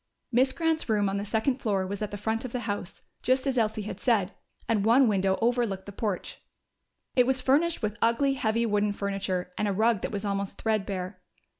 Miss Grant's room on the second floor was at the front of the house, just as Elsie had said, and one window overlooked the porch. It was furnished with ugly, heavy wooden furniture, and a rug that was almost threadbare.